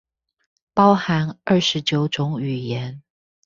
包含二十九種語言